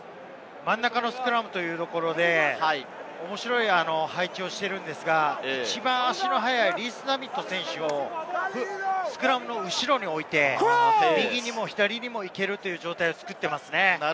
真ん中のスクラムで面白い配置をしているんですが、一番足の速いリース＝ザミット選手のスクラムの後ろに置いて、右にも左にもいけるという状態を作っていますね。